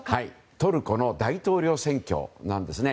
トルコの大統領選挙なんですね。